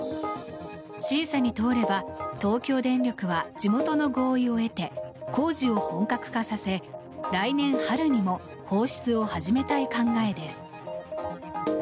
審査に通れば、東京電力は地元の合意を得て工事を本格化させ来年春にも放出を始めたい考えです。